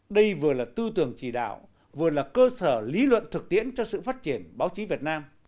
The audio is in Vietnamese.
đây vừa là tư tưởng chỉ đạo vừa là cơ sở lý luận thực tiễn cho sự phát triển báo chí việt nam